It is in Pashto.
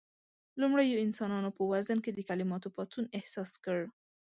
لومړيو انسانانو په وزن کې د کليماتو پاڅون احساس کړ.